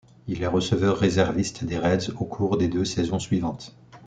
Il est receveur réserviste des Reds au cours des deux saisons suivantes.